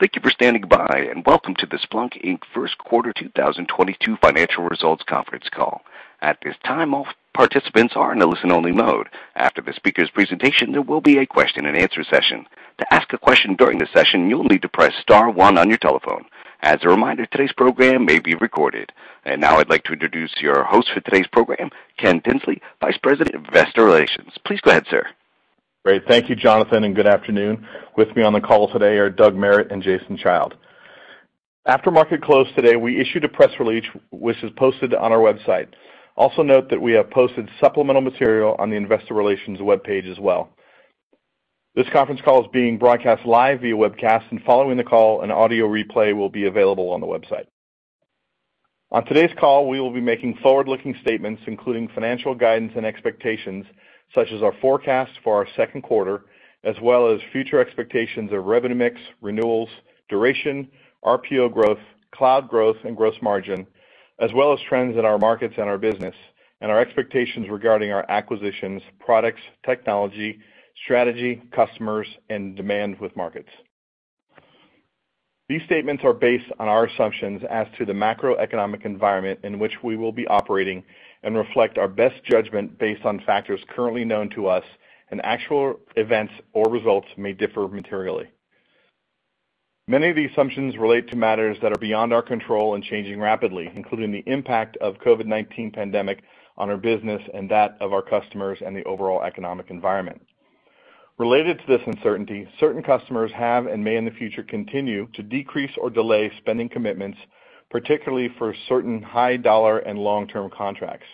Thank you for standing by, and welcome to the Splunk Inc. First Quarter 2022 Financial Results Conference Call. At this time, all participants are in a listen-only mode. After the speaker's presentation, there will be a Q&A session. To ask a question during the session, you'll need to press star one on your telephone. As a reminder, todays program may be recorded. Now I'd like to introduce your host for today's program, Ken Tinsley, Vice President of Investor Relations. Please go ahead, sir. Great. Thank you, Jonathan. Good afternoon. With me on the call today are Doug Merritt and Jason Child. After market close today, we issued a press release which is posted on our website. Also note that we have posted supplemental material on the investor relations webpage as well. This conference call is being broadcast live via webcast, and following the call, an audio replay will be available on the website. On today's call, we will be making forward-looking statements, including financial guidance and expectations, such as our forecast for our second quarter, as well as future expectations of revenue mix, renewals, duration, RPO growth, cloud growth, and gross margin, as well as trends in our markets and our business, and our expectations regarding our acquisitions, products, technology, strategy, customers, and demand with markets. These statements are based on our assumptions as to the macroeconomic environment in which we will be operating and reflect our best judgment based on factors currently known to us, and actual events or results may differ materially. Many of the assumptions relate to matters that are beyond our control and changing rapidly, including the impact of COVID-19 pandemic on our business and that of our customers and the overall economic environment. Related to this uncertainty, certain customers have and may in the future continue to decrease or delay spending commitments, particularly for certain high-dollar and long-term contracts.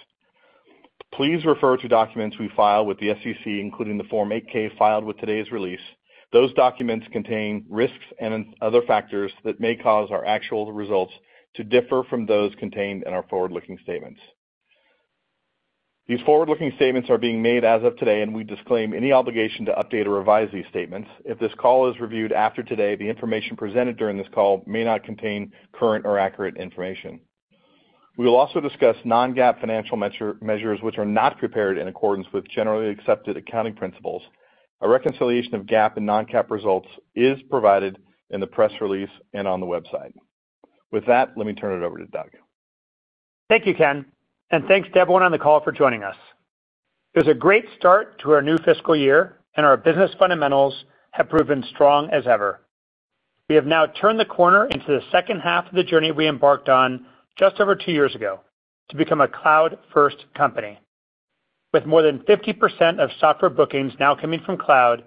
Please refer to documents we filed with the SEC, including the Form 8-K filed with today's release. Those documents contain risks and other factors that may cause our actual results to differ from those contained in our forward-looking statements. These forward-looking statements are being made as of today, and we disclaim any obligation to update or revise these statements. If this call is reviewed after today, the information presented during this call may not contain current or accurate information. We will also discuss non-GAAP financial measures, which are not prepared in accordance with generally accepted accounting principles. A reconciliation of GAAP and non-GAAP results is provided in the press release and on the website. With that, let me turn it over to Doug. Thank you, Ken, and thanks to everyone on the call for joining us. It was a great start to our new fiscal year, and our business fundamentals have proven strong as ever. We have now turned the corner into the second half of the journey we embarked on just over two years ago to become a cloud-first company. With more than 50% of software bookings now coming from cloud,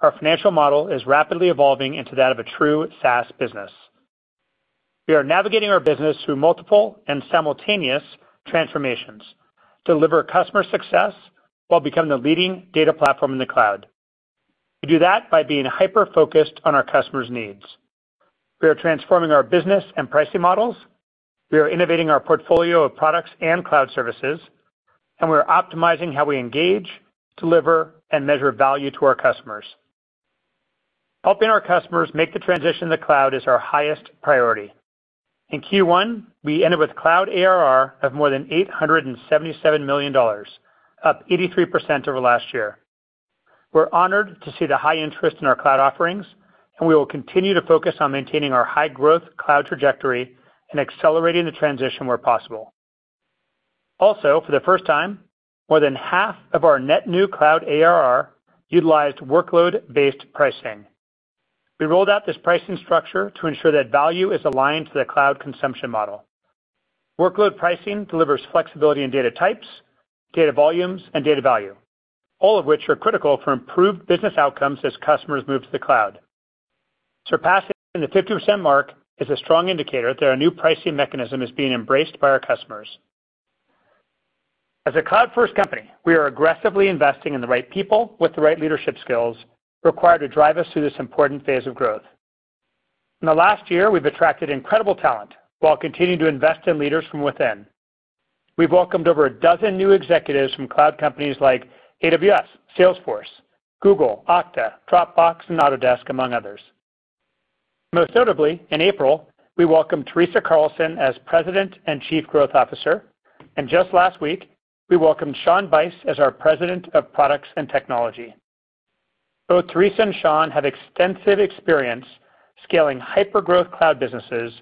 our financial model is rapidly evolving into that of a true SaaS business. We are navigating our business through multiple and simultaneous transformations to deliver customer success while becoming the leading data platform in the cloud. We do that by being hyper-focused on our customers' needs. We are transforming our business and pricing models, we are innovating our portfolio of products and cloud services, and we're optimizing how we engage, deliver, and measure value to our customers. Helping our customers make the transition to the cloud is our highest priority. In Q1, we ended with cloud ARR of more than $877 million, up 83% over last year. We're honored to see the high interest in our cloud offerings. We will continue to focus on maintaining our high-growth cloud trajectory and accelerating the transition where possible. For the first time, more than half of our net new cloud ARR utilized workload-based pricing. We rolled out this pricing structure to ensure that value is aligned to the cloud consumption model. Workload pricing delivers flexibility in data types, data volumes, and data value, all of which are critical for improved business outcomes as customers move to the cloud. Surpassing the 50% mark is a strong indicator that our new pricing mechanism is being embraced by our customers. As a cloud-first company, we are aggressively investing in the right people with the right leadership skills required to drive us through this important phase of growth. In the last year, we've attracted incredible talent while continuing to invest in leaders from within. We've welcomed over a dozen new executives from cloud companies like AWS, Salesforce, Google, Okta, Dropbox, and Autodesk, among others. Most notably, in April, we welcomed Teresa Carlson as President and Chief Growth Officer, and just last week, we welcomed Shawn Bice as our President of Products and Technology. Both Teresa and Shawn have extensive experience scaling hypergrowth cloud businesses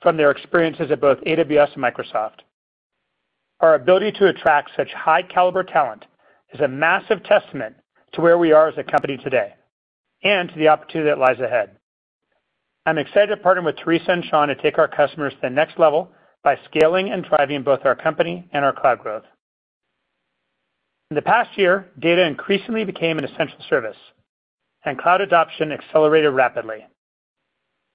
from their experiences at both AWS and Microsoft. Our ability to attract such high-caliber talent is a massive testament to where we are as a company today and to the opportunity that lies ahead. I'm excited to partner with Teresa and Shawn to take our customers to the next level by scaling and driving both our company and our cloud growth. In the past year, data increasingly became an essential service, and cloud adoption accelerated rapidly.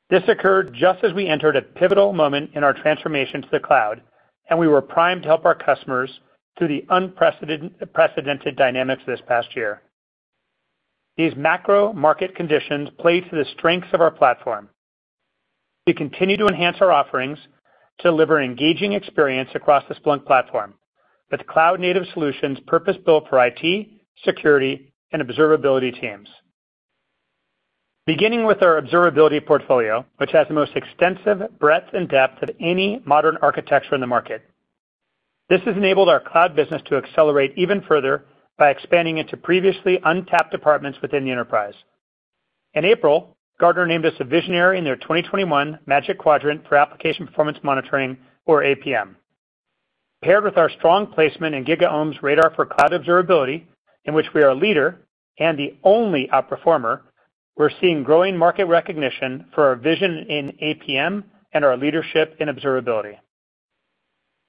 This occurred just as we entered a pivotal moment in our transformation to the cloud, and we were primed to help our customers through the unprecedented dynamics of this past year. These macro market conditions play to the strengths of our platform. We continue to enhance our offerings to deliver engaging experience across the Splunk Platform with cloud-native solutions purpose-built for IT, security, and observability teams. Beginning with our observability portfolio, which has the most extensive breadth and depth of any modern architecture in the market. This has enabled our cloud business to accelerate even further by expanding into previously untapped departments within the enterprise. In April, Gartner named us a visionary in their 2021 Magic Quadrant for Application Performance Monitoring, or APM. Paired with our strong placement in GigaOm's Radar for Cloud Observability, in which we are a leader and the only outperformer, we're seeing growing market recognition for our vision in APM and our leadership in observability.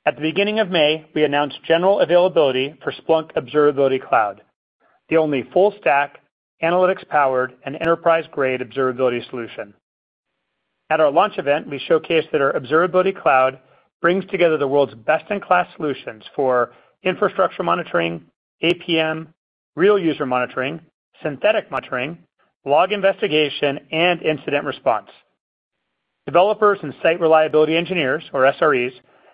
At the beginning of May, we announced general availability for Splunk Observability Cloud, the only full stack, analytics-powered, and enterprise-grade observability solution. At our launch event, we showcased that our Observability Cloud brings together the world's best-in-class solutions for infrastructure monitoring, APM, real user monitoring, synthetic monitoring, log investigation, and incident response. Developers and site reliability engineers, or SREs,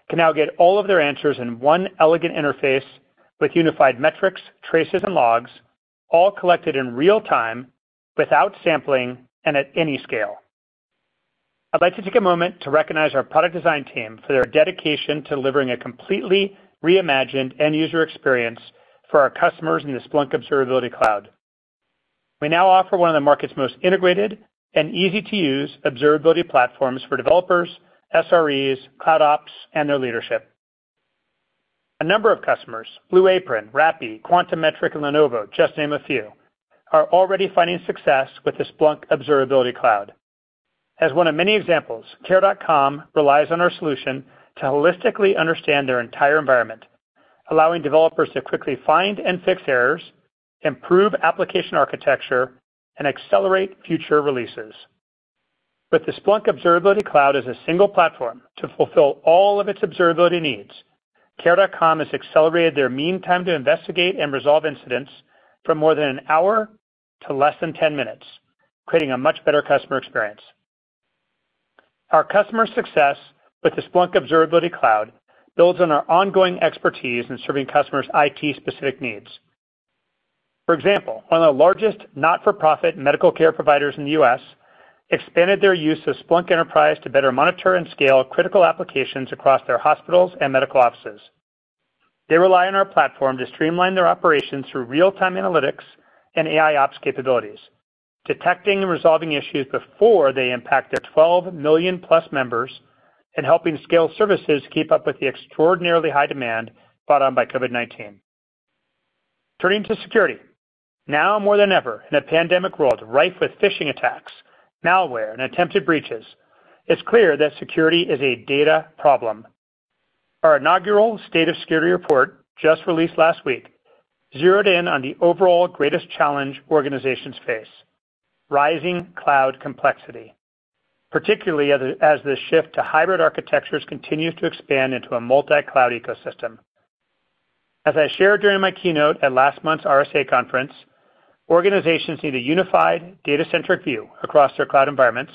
can now get all of their answers in one elegant interface with unified metrics, traces, and logs, all collected in real time, without sampling, and at any scale. I'd like to take a moment to recognize our product design team for their dedication to delivering a completely reimagined end user experience for our customers in the Splunk Observability Cloud. We now offer one of the market's most integrated and easy-to-use observability platforms for developers, SREs, CloudOps, and their leadership. A number of customers, Blue Apron, Rappi, Quantum Metric, and Lenovo, just to name a few, are already finding success with the Splunk Observability Cloud. As one of many examples, Care.com relies on our solution to holistically understand their entire environment, allowing developers to quickly find and fix errors, improve application architecture, and accelerate future releases. With the Splunk Observability Cloud as a single platform to fulfill all of its observability needs, Care.com has accelerated their mean time to investigate and resolve incidents from more than an hour to less than 10 minutes, creating a much better customer experience. Our customers' success with the Splunk Observability Cloud builds on our ongoing expertise in serving customers' IT specific needs. For example, one of the largest not-for-profit medical care providers in the U.S. expanded their use of Splunk Enterprise to better monitor and scale critical applications across their hospitals and medical offices. They rely on our platform to streamline their operations through real-time analytics and AIOps capabilities, detecting and resolving issues before they impact their 12 million plus members, and helping scale services to keep up with the extraordinarily high demand brought on by COVID-19. Turning to security. Now more than ever, in a pandemic world rife with phishing attacks, malware, and attempted breaches, it's clear that security is a data problem. Our inaugural State of Security report, just released last week, zeroed in on the overall greatest challenge organizations face, rising cloud complexity, particularly as the shift to hybrid architectures continues to expand into a multi-cloud ecosystem. As I shared during my keynote at last month's RSA Conference, organizations need a unified data-centric view across their cloud environments,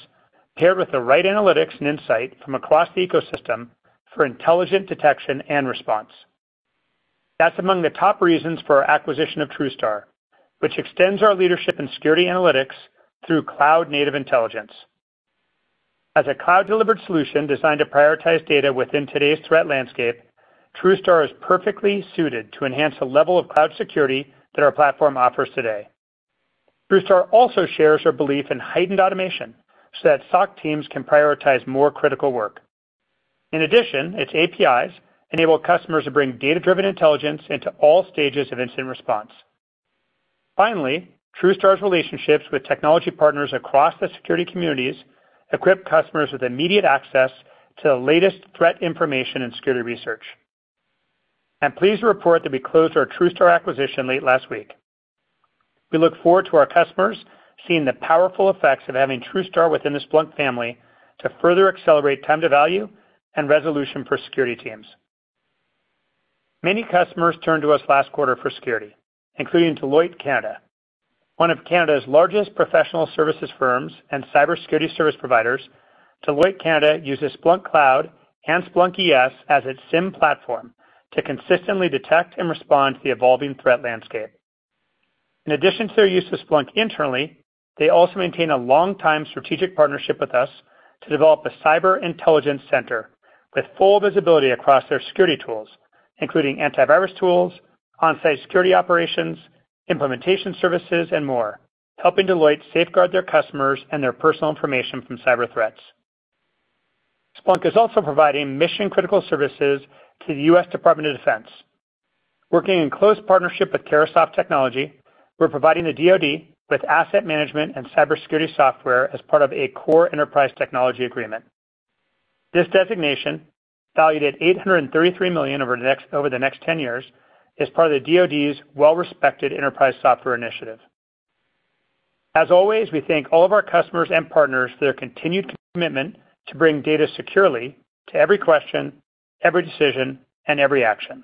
paired with the right analytics and insight from across the ecosystem for intelligent detection and response. That's among the top reasons for our acquisition of TruSTAR, which extends our leadership in security analytics through cloud-native intelligence. As a cloud-delivered solution designed to prioritize data within today's threat landscape, TruSTAR is perfectly suited to enhance the level of cloud security that our platform offers today. TruSTAR also shares our belief in heightened automation so that SOC teams can prioritize more critical work. In addition, its APIs enable customers to bring data-driven intelligence into all stages of incident response. TruSTAR's relationships with technology partners across the security communities equip customers with immediate access to the latest threat information and security research. I'm pleased to report that we closed our TruSTAR acquisition late last week. We look forward to our customers seeing the powerful effects of having TruSTAR within the Splunk family to further accelerate time to value and resolution for security teams. Many customers turned to us last quarter for security, including Deloitte Canada. One of Canada's largest professional services firms and cybersecurity service providers, Deloitte Canada uses Splunk Cloud and Splunk ES as its SIEM platform to consistently detect and respond to the evolving threat landscape. In addition to their use of Splunk internally, they also maintain a longtime strategic partnership with us to develop a cyber intelligence center with full visibility across their security tools, including antivirus tools, on-site security operations, implementation services, and more, helping Deloitte safeguard their customers and their personal information from cyber threats. Splunk is also providing mission-critical services to the U.S. Department of Defense. Working in close partnership with Carahsoft Technology, we're providing the DoD with asset management and cybersecurity software as part of a core enterprise technology agreement. This designation, valued at $833 million over the next 10 years, is part of the DoD's well-respected Enterprise Software Initiative. As always, we thank all of our customers and partners for their continued commitment to bring data securely to every question, every decision, and every action.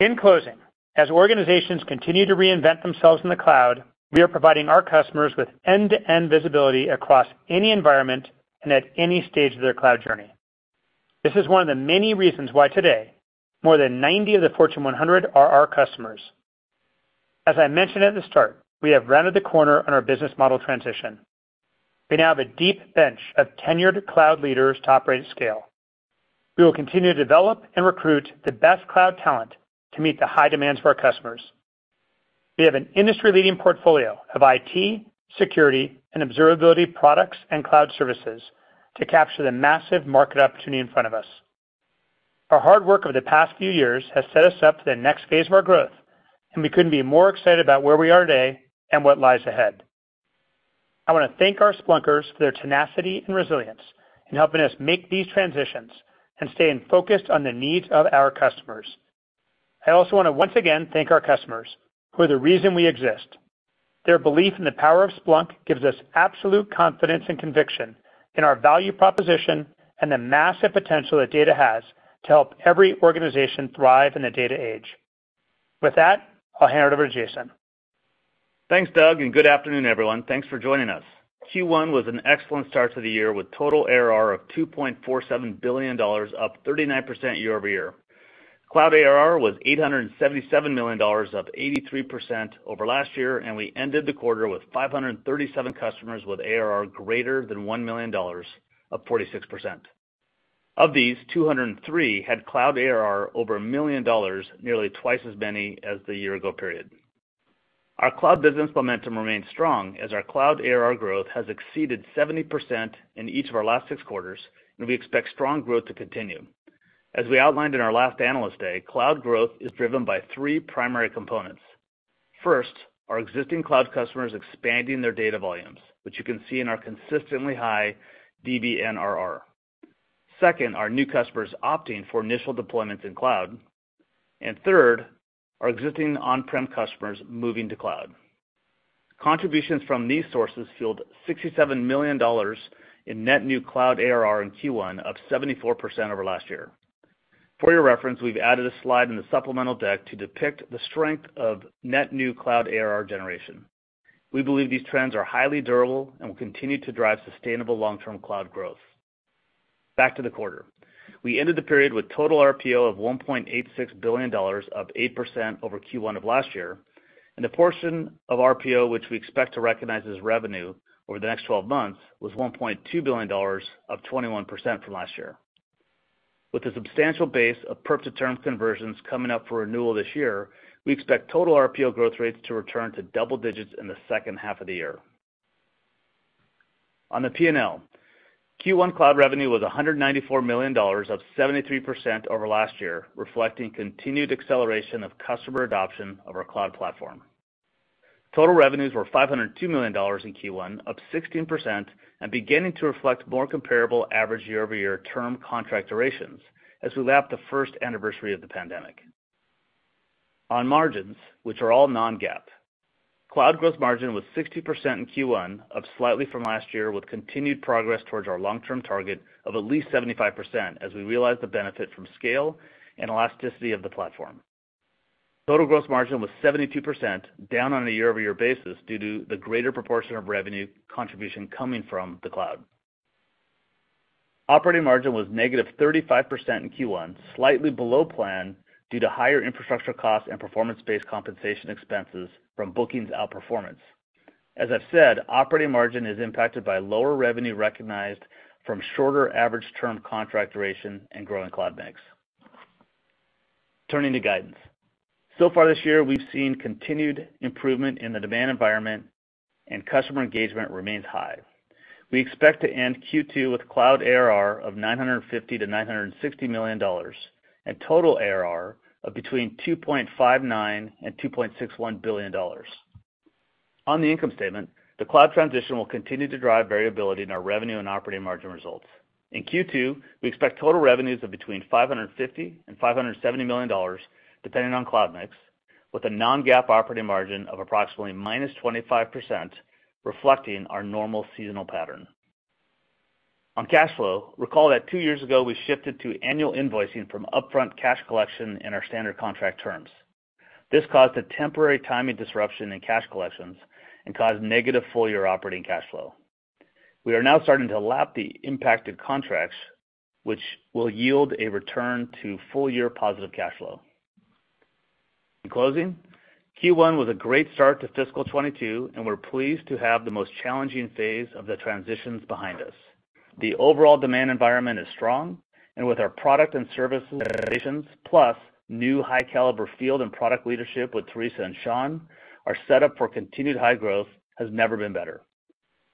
In closing, as organizations continue to reinvent themselves in the cloud, we are providing our customers with end-to-end visibility across any environment and at any stage of their cloud journey. This is one of the many reasons why today, more than 90 of the Fortune 100 are our customers. As I mentioned at the start, we have rounded the corner on our business model transition. We now have a deep bench of tenured cloud leaders to operate scale. We will continue to develop and recruit the best cloud talent to meet the high demands of our customers. We have an industry-leading portfolio of IT, security, and observability products and cloud services to capture the massive market opportunity in front of us. Our hard work over the past few years has set us up for the next phase of our growth, and we couldn't be more excited about where we are today and what lies ahead. I want to thank our Splunkers for their tenacity and resilience in helping us make these transitions and staying focused on the needs of our customers. I also want to once again thank our customers, who are the reason we exist. Their belief in the power of Splunk gives us absolute confidence and conviction in our value proposition and the massive potential that data has to help every organization thrive in the data age. With that, I'll hand it over to Jason. Thanks, Doug. Good afternoon, everyone. Thanks for joining us. Q1 was an excellent start to the year with total ARR of $2.47 billion, up 39% year-over-year. Cloud ARR was $877 million, up 83% over last year, and we ended the quarter with 537 customers with ARR greater than $1 million, up 46%. Of these, 203 had cloud ARR over $1 million, nearly twice as many as the year-ago period. Our cloud business momentum remains strong as our cloud ARR growth has exceeded 70% in each of our last six quarters, and we expect strong growth to continue. As we outlined in our last analyst day, cloud growth is driven by three primary components. First, our existing cloud customers expanding their data volumes, which you can see in our consistently high DBNRR. Second, our new customers opting for initial deployments in cloud. Third, our existing on-prem customers moving to cloud. Contributions from these sources fueled $67 million in net new cloud ARR in Q1, up 74% over last year. For your reference, we've added a slide in the supplemental deck to depict the strength of net new cloud ARR generation. We believe these trends are highly durable and will continue to drive sustainable long-term cloud growth. Back to the quarter. We ended the period with total RPO of $1.86 billion, up 8% over Q1 of last year, and the portion of RPO which we expect to recognize as revenue over the next 12 months was $1.2 billion, up 21% from last year. With a substantial base of perp to term conversions coming up for renewal this year, we expect total RPO growth rates to return to double digits in the second half of the year. On the P&L, Q1 cloud revenue was $194 million, up 73% over last year, reflecting continued acceleration of customer adoption of our cloud platform. Total revenues were $502 million in Q1, up 16%, and beginning to reflect more comparable average year-over-year term contract durations as we lap the first anniversary of the pandemic. On margins, which are all non-GAAP, cloud gross margin was 60% in Q1, up slightly from last year with continued progress towards our long-term target of at least 75% as we realize the benefit from scale and elasticity of the platform. Total gross margin was 72%, down on a year-over-year basis due to the greater proportion of revenue contribution coming from the cloud. Operating margin was negative 35% in Q1, slightly below plan due to higher infrastructure costs and performance-based compensation expenses from bookings outperformance. As I've said, operating margin is impacted by lower revenue recognized from shorter average term contract duration and growing cloud mix. Turning to guidance. Far this year, we've seen continued improvement in the demand environment and customer engagement remains high. We expect to end Q2 with cloud ARR of $950 million-$960 million and total ARR of between $2.59 billion and $2.61 billion. On the income statement, the cloud transition will continue to drive variability in our revenue and operating margin results. In Q2, we expect total revenues of between $550 million and $570 million, depending on cloud mix, with a non-GAAP operating margin of approximately minus 25%, reflecting our normal seasonal pattern. On cash flow, recall that two years ago, we shifted to annual invoicing from upfront cash collection in our standard contract terms. This caused a temporary timing disruption in cash collections and caused negative full-year operating cash flow. We are now starting to lap the impacted contracts, which will yield a return to full-year positive cash flow. In closing, Q1 was a great start to fiscal 2022, and we're pleased to have the most challenging phase of the transitions behind us. The overall demand environment is strong, and with our product and service organizations, plus new high caliber field and product leadership with Teresa and Shawn, our setup for continued high growth has never been better.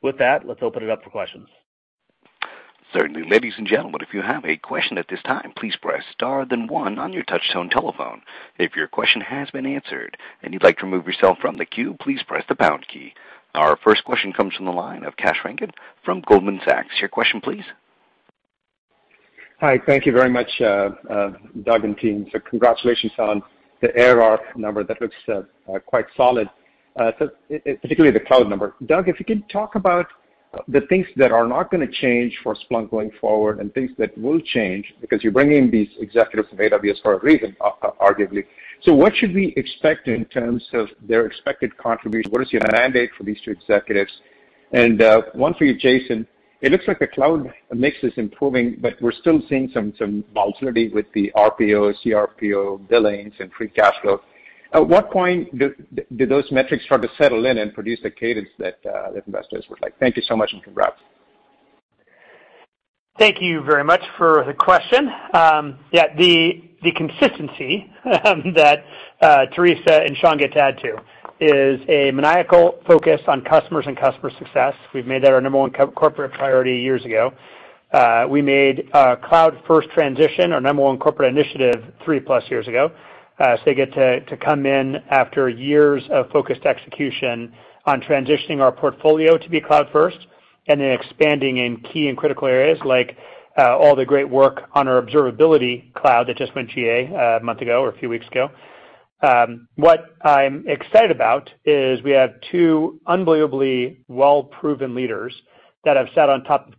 With that, let's open it up for questions. Certainly. Ladies and gentlemen, if you have a question at this time, please press star then one on you touchtone telephone. If your question has been answered, and you'd like to remove yourself from the queue, please press the pound key. Our first question comes from the line of Kash Rangan from Goldman Sachs. Your question, please. Hi. Thank you very much, Doug and team. Congratulations on the ARR number. That looks quite solid, particularly the cloud number. Doug, if you could talk about the things that are not going to change for Splunk going forward and things that will change because you're bringing these executives from AWS for a reason, arguably. What should we expect in terms of their expected contribution? What is your mandate for these two executives? One for you, Jason. It looks like the cloud mix is improving, but we're still seeing some volatility with the RPO, CRPO billings, and free cash flow. At what point do those metrics start to settle in and produce the cadence that investors would like? Thank you so much, and congrats. Thank you very much for the question. Yeah, the consistency that Teresa and Shawn get to add to is a maniacal focus on customers and customer success. We've made that our number one corporate priority years ago. We made cloud-first transition our number one corporate initiative three-plus years ago. So they get to come in after years of focused execution on transitioning our portfolio to be cloud-first and then expanding in key and critical areas like all the great work on our Observability Cloud that just went GA a month ago, or a few weeks ago. What I'm excited about is we have two unbelievably well-proven leaders that have sat on top of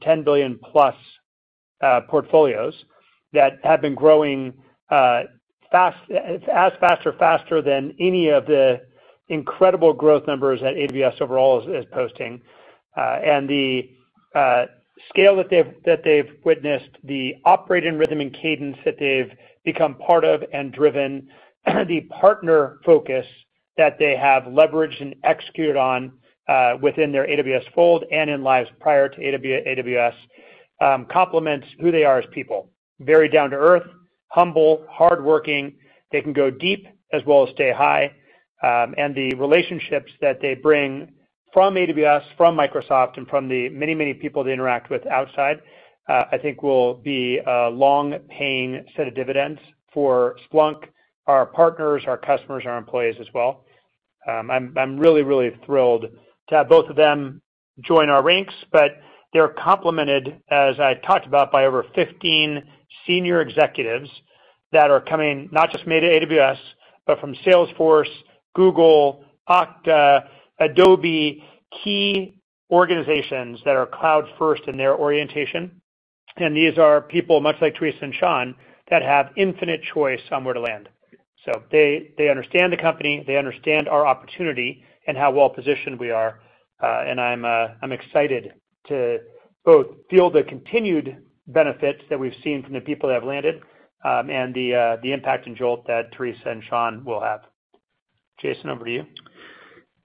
$10 billion-plus portfolios that have been growing as fast or faster than any of the incredible growth numbers that AWS overall is posting. The scale that they've witnessed, the operating rhythm and cadence that they've become part of and driven, the partner focus that they have leveraged and executed on within their AWS fold and in lives prior to AWS, complements who they are as people, very down-to-earth, humble, hardworking. They can go deep as well as stay high. The relationships that they bring from AWS, from Microsoft, and from the many, many people they interact with outside, I think will be a long-paying set of dividends for Splunk, our partners, our customers, our employees as well. I'm really thrilled to have both of them join our ranks. They're complemented, as I talked about, by over 100 senior executives that are coming not just made at AWS, but from Salesforce, Google, Okta, Adobe, key organizations that are cloud-first in their orientation. These are people, much like Teresa and Shawn, that have infinite choice somewhere to land. They understand the company, they understand our opportunity, and how well-positioned we are. I'm excited to both feel the continued benefits that we've seen from the people that have landed, and the impact and jolt that Teresa and Shawn will have. Jason, over to you.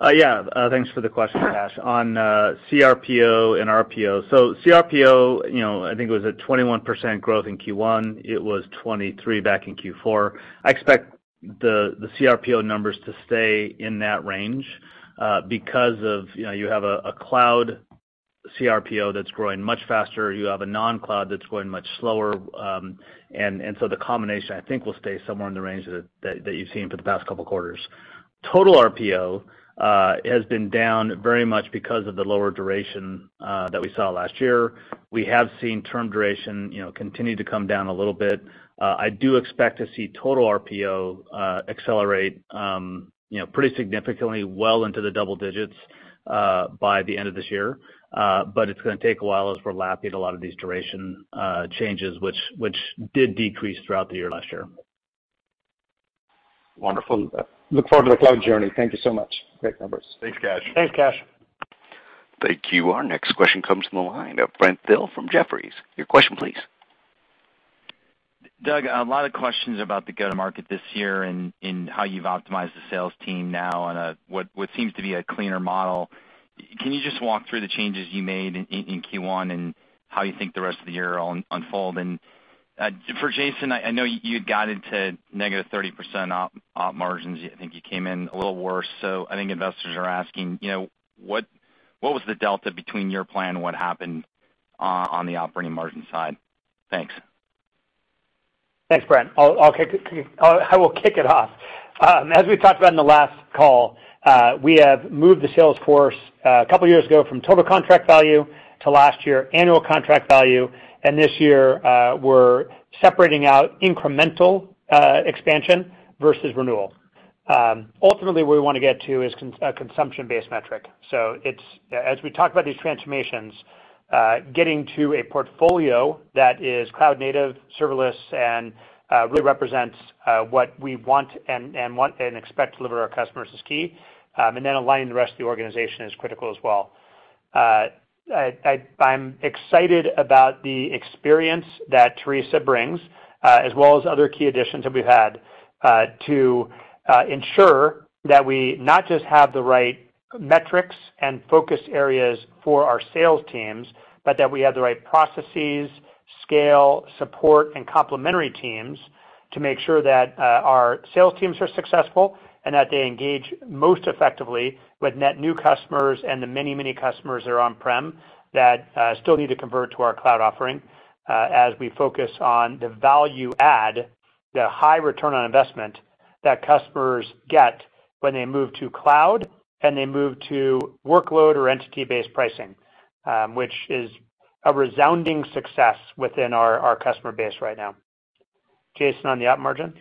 Thanks for the question, Kash. On CRPO and RPO. CRPO, I think it was at 21% growth in Q1. It was 23% back in Q4. I expect the CRPO numbers to stay in that range, because of you have a cloud CRPO that's growing much faster, you have a non-cloud that's growing much slower. The combination, I think, will stay somewhere in the range that you've seen for the past couple of quarters. Total RPO has been down very much because of the lower duration that we saw last year. We have seen term duration continue to come down a little bit. I do expect to see total RPO accelerate pretty significantly, well into the double digits, by the end of this year. It's going to take a while as we're lapping a lot of these duration changes, which did decrease throughout the year last year. Wonderful. Look forward to the cloud journey. Thank you so much. Great numbers. Thanks, Kash. Thanks, Kash. Thank you. Our next question comes from the line of Brent Thill from Jefferies. Your question, please. Doug, a lot of questions about the go-to market this year and how you've optimized the sales team now on what seems to be a cleaner model. Can you just walk through the changes you made in Q1 and how you think the rest of the year will unfold? For Jason, I know you guided to negative 30% op margins. I think you came in a little worse. I think investors are asking, what was the delta between your plan and what happened on the operating margin side? Thanks. Thanks, Brent. I will kick it off. As we talked about on the last call, we have moved the sales force a couple of years ago from total contract value to last year annual contract value, and this year, we're separating out incremental expansion versus renewal. Where we want to get to is a consumption-based metric. As we talk about these transformations, getting to a portfolio that is cloud-native, serverless, and really represents what we want and expect to deliver our customers is key. Aligning the rest of the organization is critical as well. I'm excited about the experience that Teresa brings, as well as other key additions that we've had, to ensure that we not just have the right metrics and focus areas for our sales teams, but that we have the right processes, scale, support, and complementary teams to make sure that our sales teams are successful and that they engage most effectively with net new customers and the many, many customers that are on-prem that still need to convert to our cloud offering as we focus on the value add, the high return on investment that customers get when they move to cloud and they move to workload or entity-based pricing, which is a resounding success within our customer base right now. Jason, on the op margin?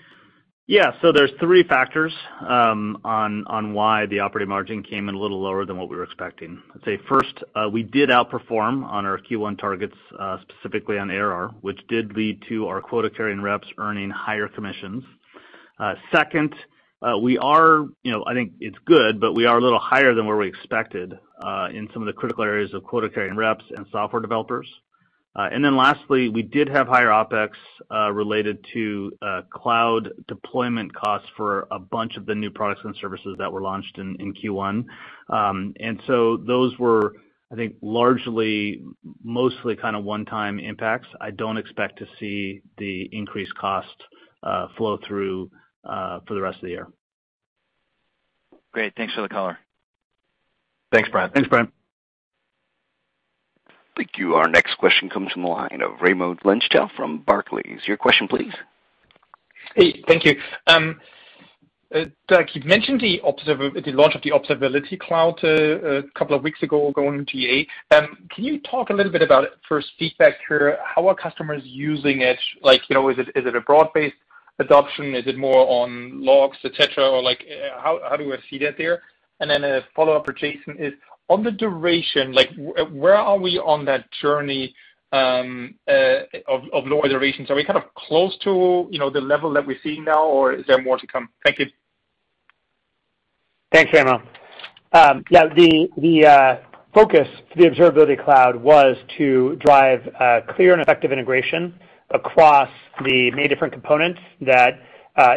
Yeah. There's three factors on why the operating margin came in a little lower than what we were expecting. I'd say first, we did outperform on our Q1 targets, specifically on ARR, which did lead to our quota-carrying reps earning higher commissions. Second, I think it's good, but we are a little higher than what we expected in some of the critical areas of quota carrying reps and software developers. Lastly, we did have higher OpEx related to cloud deployment costs for a bunch of the new products and services that were launched in Q1. Those were, I think, largely mostly one-time impacts. I don't expect to see the increased cost flow through for the rest of the year. Great. Thanks for the color. Thanks, Brent. Thanks, Brent. Thank you. Our next question comes from the line of Raimo Lenschow from Barclays. Your question, please. Hey, thank you. Doug, you've mentioned the launch of the Observability Cloud a couple of weeks ago going GA. Can you talk a little bit about first feedback here? How are customers using it? Is it a broad-based adoption? Is it more on logs, et cetera? How do you see that there? A follow-up for Jason is, on the duration, where are we on that journey of lower duration? Are we close to the level that we're seeing now, or is there more to come? Thank you. Thanks, Raimo. The focus for the Observability Cloud was to drive clear and effective integration across the many different components that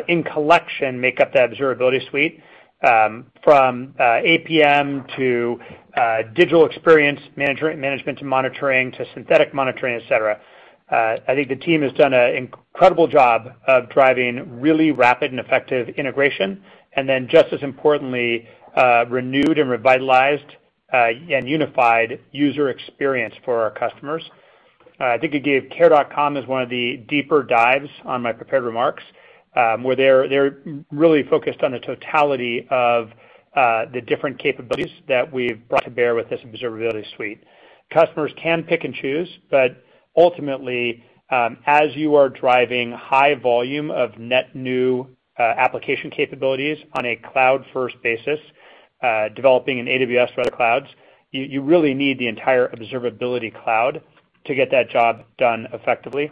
in collection make up the Observability Suite, from APM to digital experience management and management monitoring to synthetic monitoring, et cetera. I think the team has done an incredible job of driving really rapid and effective integration, and then just as importantly, renewed and revitalized and unified user experience for our customers. I think I gave Care.com as one of the deeper dives on my prepared remarks, where they're really focused on the totality of the different capabilities that we've brought to bear with this Observability Suite. Customers can pick and choose, Ultimately, as you are driving high volume of net new application capabilities on a cloud-first basis, developing in AWS, you really need the entire Observability Cloud to get that job done effectively.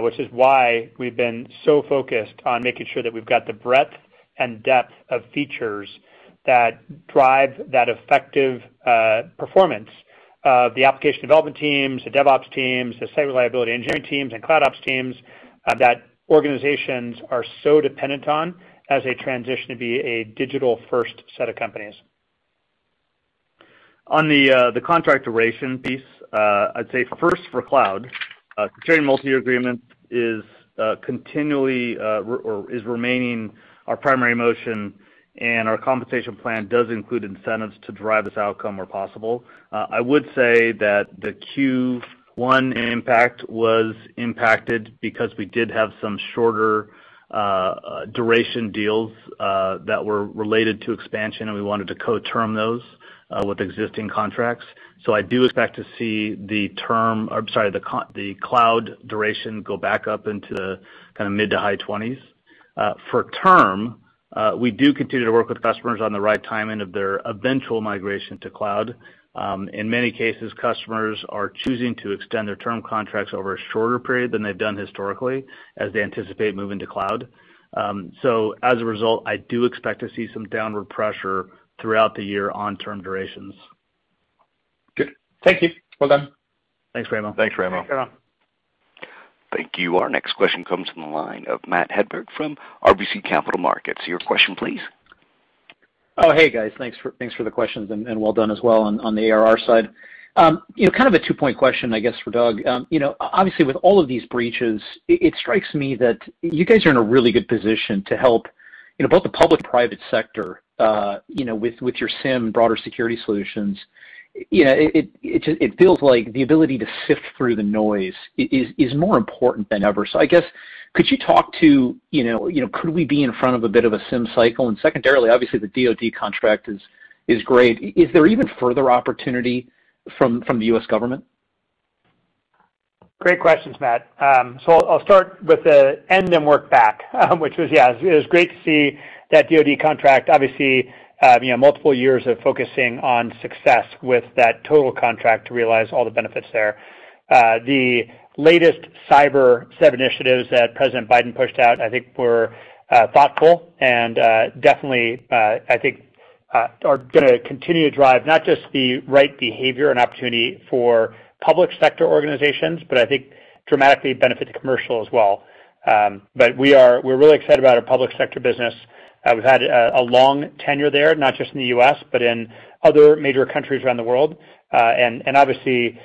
Which is why we've been so focused on making sure that we've got the breadth and depth of features that drive that effective performance. The application development teams, the DevOps teams, the Site Reliability Engineering teams, and CloudOps teams that organizations are so dependent on as they transition to be a digital-first set of companies. On the contract duration piece, I'd say first for cloud, pertaining multi-year agreement is remaining our primary motion, and our compensation plan does include incentives to drive this outcome where possible. I would say that the Q1 impact was impacted because we did have some shorter duration deals that were related to expansion, and we wanted to co-term those with existing contracts. I do expect to see the cloud duration go back up into mid-to-high 20s. For term, we do continue to work with customers on the right timing of their eventual migration to cloud. In many cases, customers are choosing to extend their term contracts over a shorter period than they've done historically as they anticipate moving to cloud. As a result, I do expect to see some downward pressure throughout the year on term durations. Good. Thank you. Well done. Thanks, Raimo. Thanks, Raimo. Thank you. Our next question comes from the line of Matt Hedberg from RBC Capital Markets. Your question, please. Oh, hey, guys. Thanks for the questions, and well done as well on the ARR side. A two-point question, I guess, for Doug. Obviously, with all of these breaches, it strikes me that you guys are in a really good position to help both the public and private sector with your SIEM broader security solutions. It feels like the ability to sift through the noise is more important than ever. I guess, could we be in front of a bit of a SIEM cycle? Secondarily, obviously, the DoD contract is great. Is there even further opportunity from the U.S. government? Great questions, Matt. I'll start with the end and work back, which was, yeah, it was great to see that DoD contract, obviously, multiple years of focusing on success with that total contract to realize all the benefits there. The latest cyber set of initiatives that President Biden pushed out, I think, were thoughtful and definitely, I think are going to continue to drive not just the right behavior and opportunity for public sector organizations, but I think dramatically benefit commercial as well. We're really excited about our public sector business. We've had a long tenure there, not just in the U.S., but in other major countries around the world. Obviously,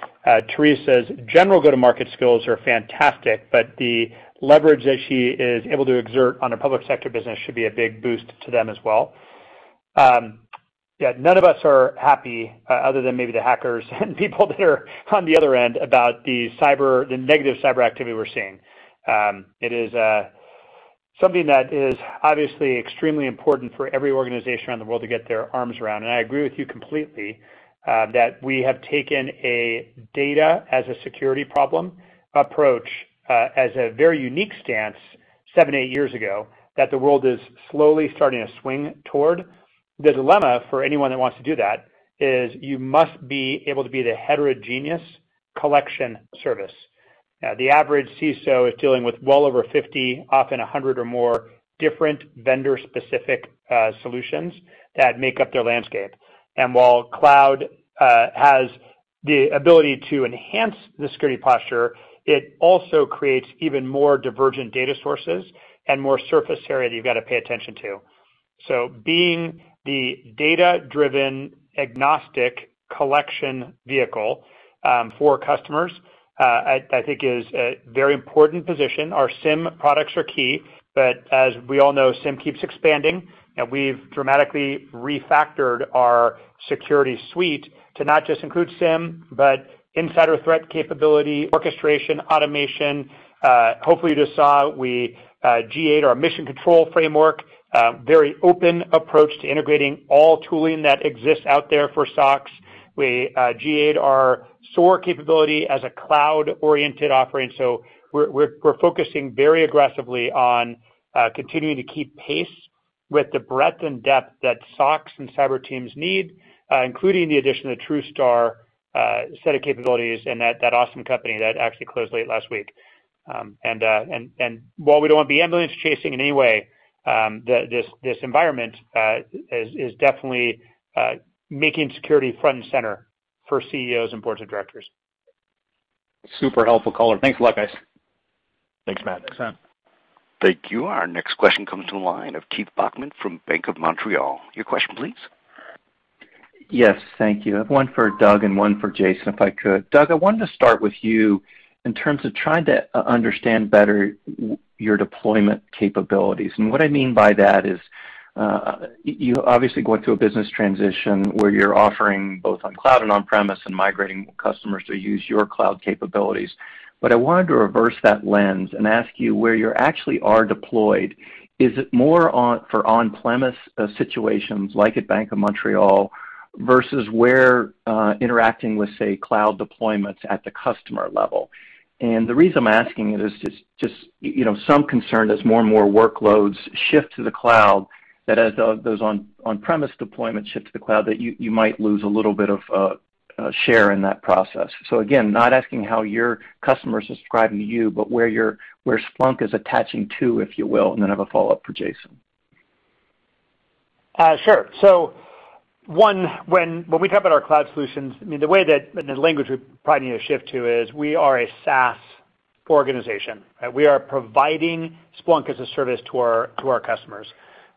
Teresa's general go-to-market skills are fantastic, but the leverage that she is able to exert on our public sector business should be a big boost to them as well. Yeah, none of us are happy, other than maybe the hackers and people that are on the other end about the negative cyber activity we're seeing. It is something that is obviously extremely important for every organization in the world to get their arms around. I agree with you completely, that we have taken a data as a security problem approach as a very unique stance seven, eight years ago that the world is slowly starting to swing toward. The dilemma for anyone that wants to do that is you must be able to be the heterogeneous collection service. The average CISO is dealing with well over 50, often 100 or more different vendor-specific solutions that make up their landscape. While cloud has the ability to enhance the security posture, it also creates even more divergent data sources and more surface area that you've got to pay attention to. Being the data-driven agnostic collection vehicle for customers, I think is a very important position. Our SIEM products are key, but as we all know, SIEM keeps expanding, and we've dramatically refactored our security suite to not just include SIEM, but insider threat capability, orchestration, automation. Hopefully you just saw we GA'd our Mission Control framework, very open approach to integrating all tooling that exists out there for SOCs. We GA'd our SOAR capability as a cloud-oriented offering. We're focusing very aggressively on continuing to keep pace with the breadth and depth that SOCs and cyber teams need, including the addition of TruSTAR set of capabilities and that awesome company that actually closed late last week. While we don't want to be ambulance-chasing in any way, this environment is definitely making security front and center for CEOs and boards of directors. Super helpful color. Thanks a lot, guys. Thanks, Matt. Thanks, Matt. Thank you. Our next question comes from the line of Keith Bachman from Bank of Montreal. Your question, please. Yes, thank you. I have one for Doug and one for Jason, if I could. Doug, I wanted to start with you in terms of trying to understand better your deployment capabilities. What I mean by that is, you obviously going through a business transition where you're offering both on cloud and on-premise and migrating customers to use your cloud capabilities. I wanted to reverse that lens and ask you where you actually are deployed. Is it more for on-premise situations like at Bank of Montreal versus where interacting with, say, cloud deployments at the customer level? The reason I'm asking it is just some concern as more and more workloads shift to the cloud, that as those on-premise deployments shift to the cloud, that you might lose a little bit of share in that process. Again, not asking how your customers subscribe to you, but where Splunk is attaching to, if you will, and then I have a follow-up for Jason. Sure. One, when we talk about our cloud solutions, the language we probably need to shift to is we are a SaaS organization. We are providing Splunk as a service to our customers.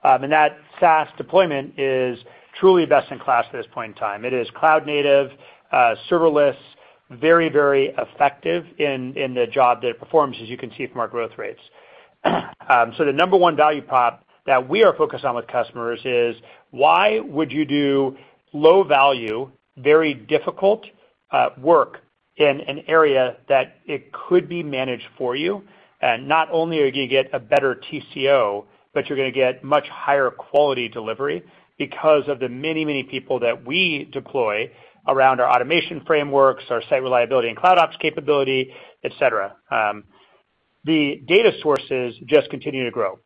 That SaaS deployment is truly best in class at this point in time. It is cloud native, serverless, very effective in the job that it performs, as you can see from our growth rates. The number one value prop that we are focused on with customers is why would you do low value, very difficult work in an area that it could be managed for you? Not only are you going to get a better TCO, but you're going to get much higher quality delivery because of the many people that we deploy around our automation frameworks, our site reliability, and CloudOps capability, et cetera. The data sources just continue to grow.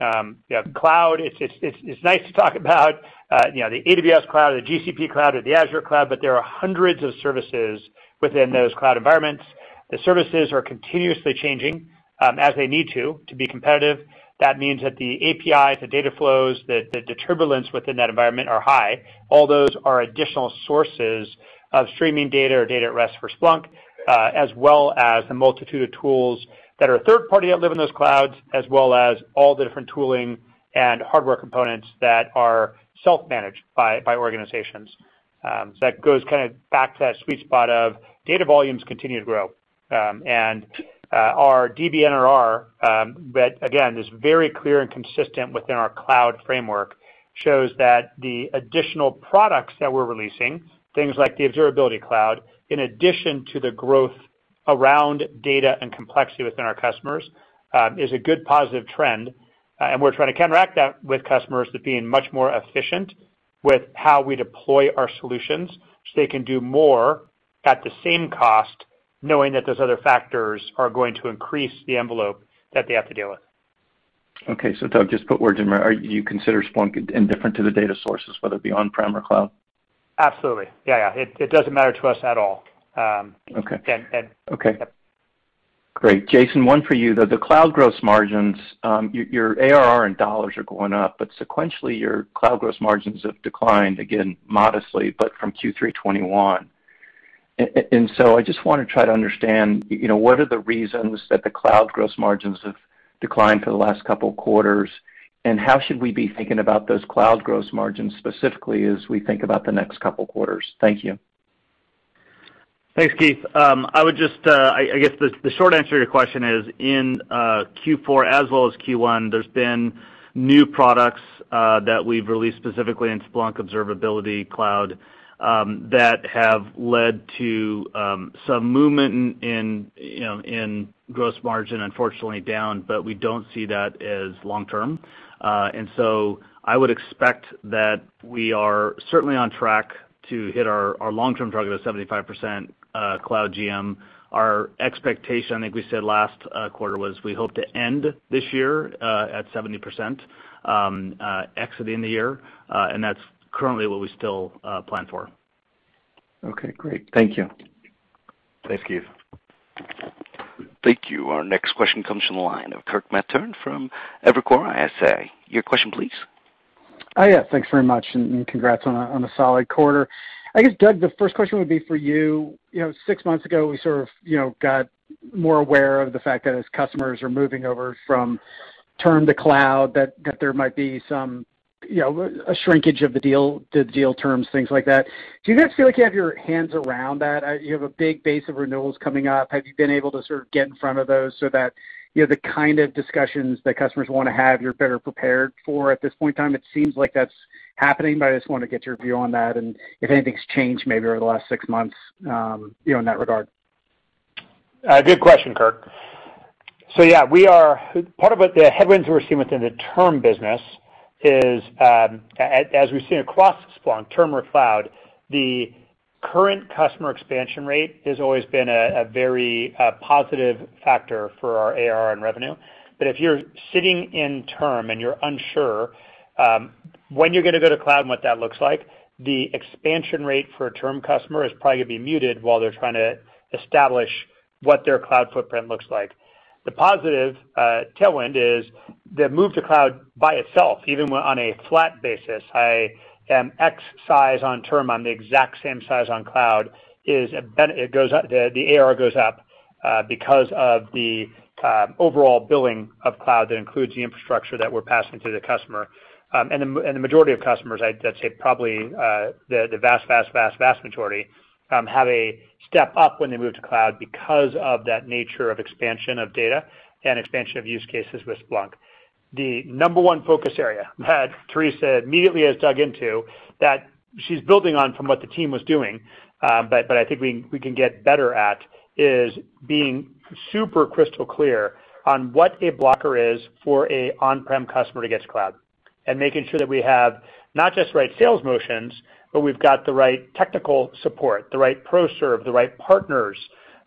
You have cloud. It's nice to talk about the AWS Cloud or the GCP Cloud or the Azure Cloud, but there are hundreds of services within those cloud environments. The services are continuously changing as they need to be competitive. That means that the API, the data flows, the turbulence within that environment are high. All those are additional sources of streaming data or data at rest for Splunk, as well as the multitude of tools that are third party that live in those clouds, as well as all the different tooling and hardware components that are self-managed by organizations. That goes kind of back to that sweet spot of data volumes continue to grow. Our DBNRR, that again, is very clear and consistent within our cloud framework, shows that the additional products that we're releasing, things like the Observability Cloud, in addition to the growth around data and complexity within our customers, is a good positive trend. We're trying to counteract that with customers to being much more efficient with how we deploy our solutions so they can do more at the same cost, knowing that those other factors are going to increase the envelope that they have to deal with. Okay. Doug, just put words in my mouth. You consider Splunk indifferent to the data sources, whether it be on-prem or cloud? Absolutely. Yeah. It doesn't matter to us at all. Okay. Great. Jason, one for you, though. The cloud gross margins, your ARR in dollars are going up, but sequentially, your cloud gross margins have declined again modestly, but from Q3 2021. I just want to try to understand, what are the reasons that the cloud gross margins have declined for the last couple of quarters, and how should we be thinking about those cloud gross margins specifically as we think about the next couple quarters? Thank you. Thanks, Keith. I guess the short answer to your question is in Q4 as well as Q1, there's been new products that we've released specifically into Splunk Observability Cloud, that have led to some movement in gross margin, unfortunately down, but we don't see that as long term. I would expect that we are certainly on track to hit our long-term target of 75% cloud GM. Our expectation, I think we said last quarter, was we hope to end this year at 70%, exiting the year. That's currently what we still plan for. Okay, great. Thank you. Thanks, Keith. Thank you. Our next question comes from the line of Kirk Materne from Evercore ISI. Your question, please. Yeah. Thanks very much, and congrats on a solid quarter. I guess, Doug, the first question would be for you. Six months ago, we sort of got more aware of the fact that as customers are moving over from term to cloud, that there might be a shrinkage of the deal terms, things like that. Do you guys feel like you have your hands around that? You have a big base of renewals coming up. Have you been able to sort of get in front of those so that the kind of discussions that customers want to have, you're better prepared for at this point in time? It seems like that's happening, but I just want to get your view on that and if anything's changed maybe over the last six months in that regard. Good question, Kirk. Yeah, part of what the headwinds we're seeing within the term business is, as we've seen across Splunk, term or cloud, the current customer expansion rate has always been a very positive factor for our ARR and revenue. If you're sitting in term and you're unsure when you're going to go to cloud and what that looks like, the expansion rate for a term customer is probably going to be muted while they're trying to establish what their cloud footprint looks like. The positive tailwind is the move to cloud by itself, even on a flat basis. I am X size on term, I'm the exact same size on cloud, the ARR goes up because of the overall billing of cloud that includes the infrastructure that we're passing to the customer. The majority of customers, I'd say probably the vast majority, have a step up when they move to cloud because of that nature of expansion of data and expansion of use cases with Splunk. The number one focus area that Teresa immediately has dug into, that she's building on from what the team was doing, but I think we can get better at, is being super crystal clear on what a blocker is for an on-prem customer to get to cloud. Making sure that we have not just the right sales motions, but we've got the right technical support, the right pro serve, the right partners,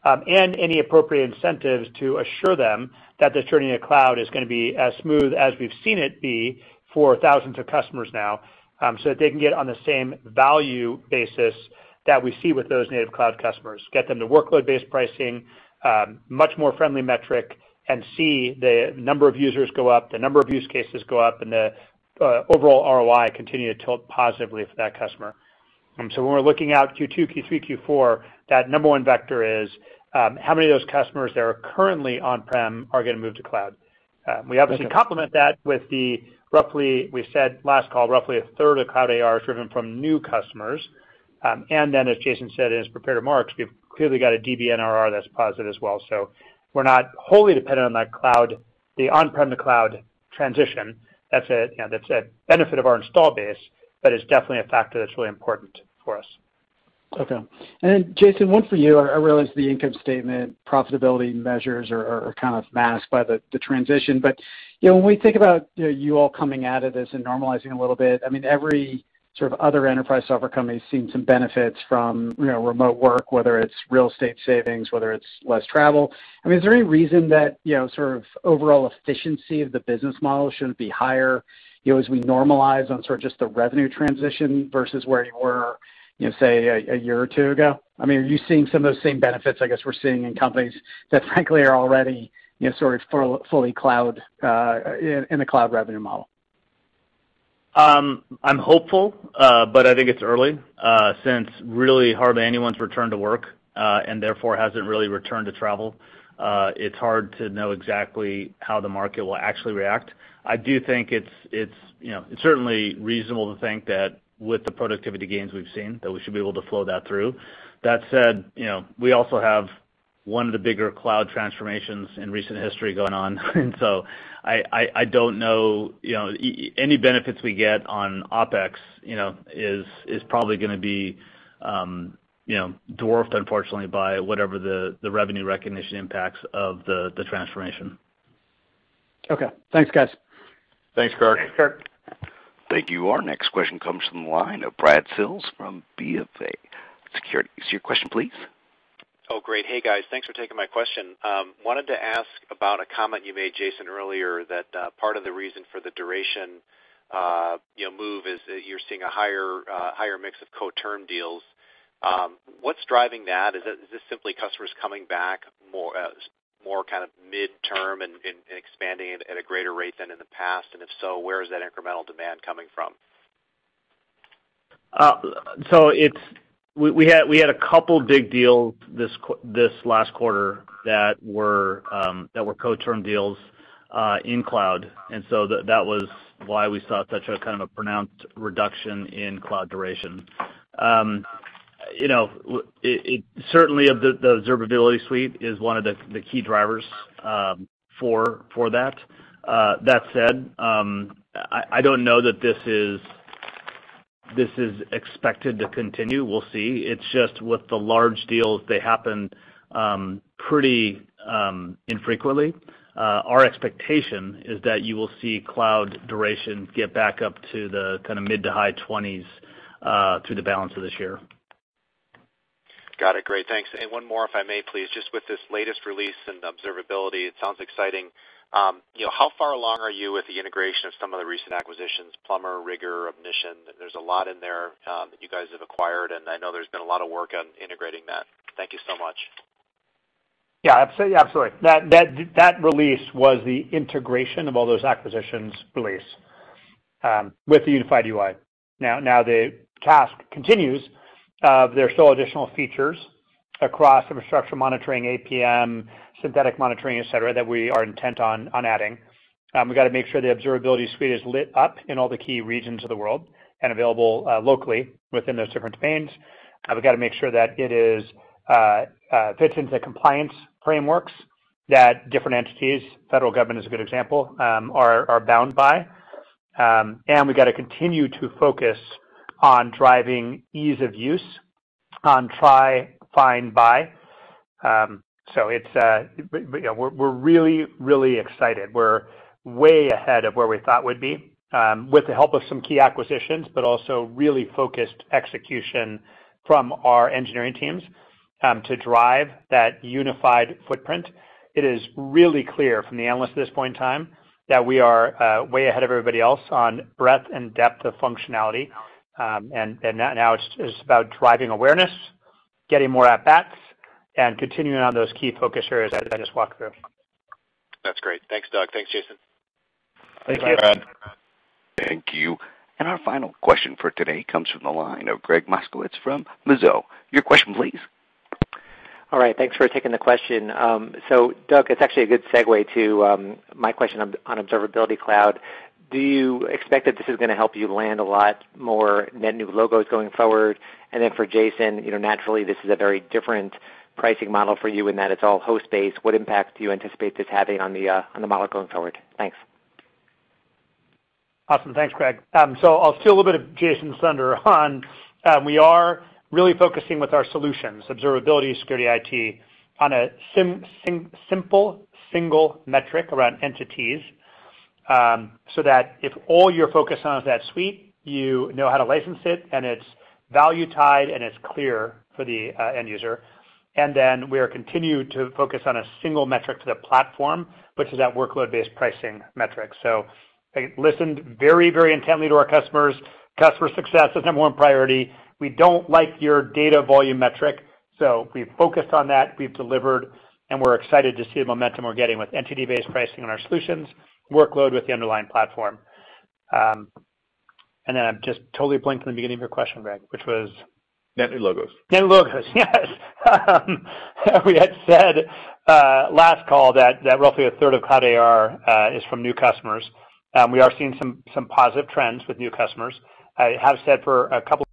and any appropriate incentives to assure them that this journey to cloud is going to be as smooth as we've seen it be for thousands of customers now. That they can get on the same value basis that we see with those native cloud customers, get them to workload-based pricing, much more friendly metric, and see the number of users go up, the number of use cases go up, and the overall ROI continue to tilt positively for that customer. When we're looking out Q2, Q3, Q4, that number one vector is how many of those customers that are currently on-prem are going to move to cloud. We obviously complement that with the, we said last call, roughly a third of cloud ARR is driven from new customers. As Jason said in his prepared remarks, we've clearly got a DBNRR that's positive as well. We're not wholly dependent on the on-prem to cloud transition. That's a benefit of our install base, but it's definitely a factor that's really important for us. Okay. Jason, one for you. I realize the income statement profitability measures are kind of masked by the transition. When we think about you all coming out of this and normalizing a little bit, every sort of other enterprise software company's seen some benefits from remote work, whether it's real estate savings, whether it's less travel. Is there any reason that overall efficiency of the business model shouldn't be higher as we normalize on sort of just the revenue transition versus where you were, say, a year or two ago? Are you seeing some of those same benefits, I guess, we're seeing in companies that frankly are already sort of fully in the cloud revenue model? I'm hopeful, but I think it's early, since really hardly anyone's returned to work, and therefore hasn't really returned to travel. It's hard to know exactly how the market will actually react. It's certainly reasonable to think that with the productivity gains we've seen, that we should be able to flow that through. That said, we also have one of the bigger cloud transformations in recent history going on. I don't know any benefits we get on OpEx, is probably going to be dwarfed, unfortunately, by whatever the revenue recognition impacts of the transformation. Okay. Thanks, guys. Thanks, Kirk. Thanks, Kirk. Thank you. Our next question comes from the line of Brad Sills from BofA Securities. Your question, please. Oh, great. Hey, guys. Thanks for taking my question. Wanted to ask about a comment you made, Jason, earlier, that part of the reason for the duration move is that you're seeing a higher mix of co-term deals. What's driving that? Is this simply customers coming back more kind of midterm and expanding it at a greater rate than in the past? If so, where is that incremental demand coming from? We had a couple big deals this last quarter that were co-term deals in cloud. That was why we saw such a kind of a pronounced reduction in cloud duration. Certainly, the Observability Suite is one of the key drivers for that. That said, I don't know that this is expected to continue. We'll see. It's just with the large deals, they happen pretty infrequently. Our expectation is that you will see cloud duration get back up to the kind of mid to high 20s through the balance of this year. Got it. Great. Thanks. One more, if I may, please. Just with this latest release in Observability, it sounds exciting. How far along are you with the integration of some of the recent acquisitions, Plumbr, Rigor, Omnition? There's a lot in there that you guys have acquired, and I know there's been a lot of work on integrating that. Thank you so much. Yeah, absolutely. That release was the integration of all those acquisitions release with the unified UI. The task continues. There are still additional features across infrastructure monitoring, APM, synthetic monitoring, et cetera, that we are intent on adding. We got to make sure the Observability Suite is lit up in all the key regions of the world and available locally within those different domains. We've got to make sure that it fits into compliance frameworks that different entities, federal government is a good example, are bound by. We got to continue to focus on driving ease of use on try, find, buy. We're really excited. We're way ahead of where we thought we'd be, with the help of some key acquisitions, but also really focused execution from our engineering teams to drive that unified footprint. It is really clear from the analyst at this point in time that we are way ahead of everybody else on breadth and depth of functionality. Now it's about driving awareness, getting more at bats, and continuing on those key focus areas that I just walked through. That's great. Thanks, Doug. Thanks, Jason. Thank you. Thank you. Our final question for today comes from the line of Gregg Moskowitz from Mizuho. Your question please. All right. Thanks for taking the question. Doug, it's actually a good segue to my question on Observability Cloud. Do you expect that this is going to help you land a lot more net new logos going forward? For Jason, naturally this is a very different pricing model for you in that it's all host-based. What impact do you anticipate this having on the model going forward? Thanks. Awesome. Thanks, Gregg. I'll steal a little bit of Jason's thunder on, we are really focusing with our solutions, observability, security, IT, on a simple single metric around entities. That if all you're focused on is that suite, you know how to license it, and it's value tied, and it's clear for the end user. We are continued to focus on a single metric to the platform, which is that workload-based pricing metric. They listened very intently to our customers. Customer success is number one priority. We don't like your data volume metric. We've focused on that, we've delivered, and we're excited to see the momentum we're getting with entity-based pricing on our solutions, workload with the underlying platform. I've just totally blanked on the beginning of your question, Gregg, which was. Net new logos. Net new logos. Yes. We had said last call that roughly a third of cloud ARR is from new customers. We are seeing some positive trends with new customers. I have said for a couple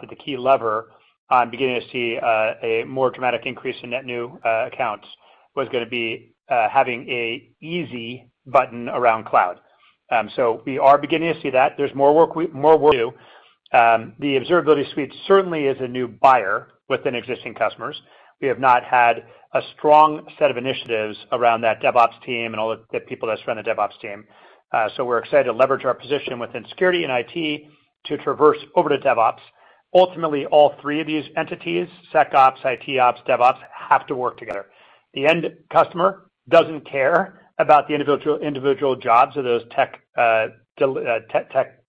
that the key lever on beginning to see a more dramatic increase in net new accounts was going to be having a easy button around cloud. We are beginning to see that. There's more work we do. The Observability Suite certainly is a new buyer within existing customers. We have not had a strong set of initiatives around that DevOps team and all the people that surround the DevOps team. We're excited to leverage our position within security and IT to traverse over to DevOps. Ultimately, all three of these entities, SecOps, ITOps, DevOps, have to work together. The end customer doesn't care about the individual jobs of those tech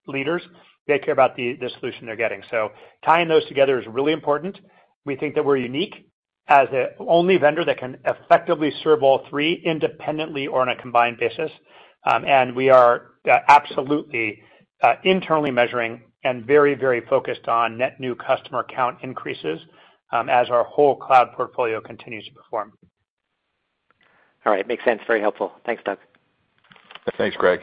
leaders. They care about the solution they're getting. Tying those together is really important. We think that we're unique as the only vendor that can effectively serve all three independently or on a combined basis. We are absolutely internally measuring and very, very focused on net new customer count increases as our whole cloud portfolio continues to perform. All right. Makes sense. Very helpful. Thanks, Doug. Thanks, Gregg.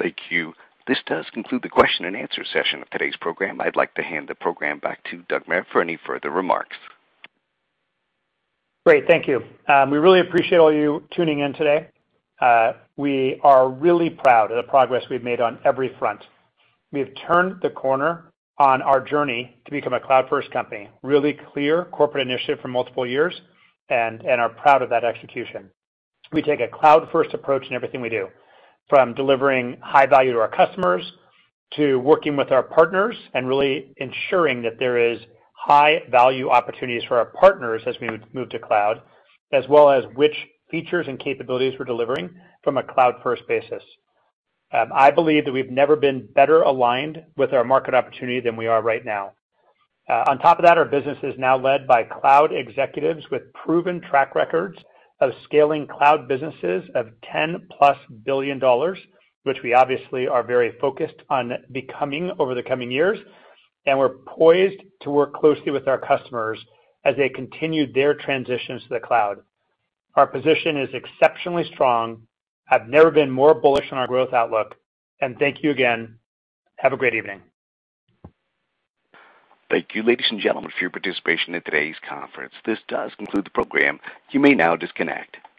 Thank you. This does conclude the Q&A session of today's program. I'd like to hand the program back to Doug Merritt for any further remarks. Great. Thank you. We really appreciate all you tuning in today. We are really proud of the progress we've made on every front. We have turned the corner on our journey to become a cloud-first company. Really clear corporate initiative for multiple years, and are proud of that execution. We take a cloud-first approach in everything we do, from delivering high value to our customers, to working with our partners, and really ensuring that there is high value opportunities for our partners as we move to cloud, as well as which features and capabilities we're delivering from a cloud-first basis. I believe that we've never been better aligned with our market opportunity than we are right now. On top of that, our business is now led by cloud executives with proven track records of scaling cloud businesses of $10+ billion, which we obviously are very focused on becoming over the coming years. We're poised to work closely with our customers as they continue their transitions to the cloud. Our position is exceptionally strong. I've never been more bullish on our growth outlook. Thank you again. Have a great evening. Thank you, ladies and gentlemen, for your participation in today's conference. This does conclude the program. You may now disconnect. Good night.